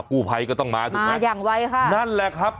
กู้ภัยก็ต้องมาถูกไหมมาอย่างไวค่ะนั่นแหละครับ